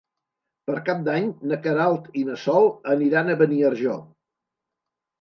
Per Cap d'Any na Queralt i na Sol aniran a Beniarjó.